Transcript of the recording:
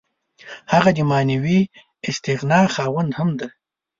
هغه د معنوي استغنا خاوند هم دی.